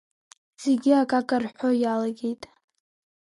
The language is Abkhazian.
Зегьы акака рҳәо иалагеит.